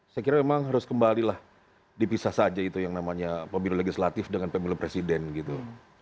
saya kira memang harus kembalilah dipisah saja itu yang namanya pemilu legislatif dengan pemilu presiden gitu